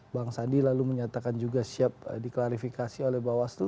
bang sandi lalu menyatakan juga siap diklarifikasi oleh bawaslu